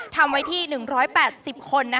ทำไว้ที่๑๘๐คน